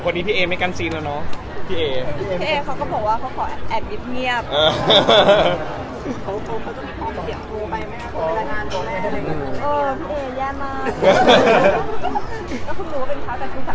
ก็ดีเขาเป็นคนน่ารักค่ะ